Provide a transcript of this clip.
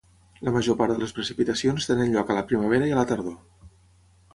La major part de les precipitacions tenen lloc a la primavera i a la tardor.